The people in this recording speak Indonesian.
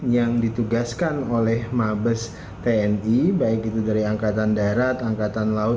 yang ditugaskan oleh mabes tni baik itu dari angkatan darat angkatan laut